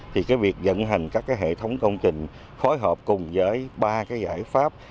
thì cái việc dẫn hành các cái hệ thống công trình phối hợp cùng với ba cái giải pháp